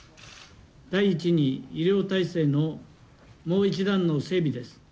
第１に医療体制のもう一段の整備です。